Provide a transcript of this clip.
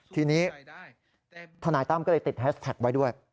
ทีนี้ทนายตั้มก็เลยติดแฮชแท็กไว้ด้วย